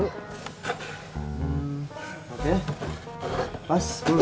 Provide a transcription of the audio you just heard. oke pas dulu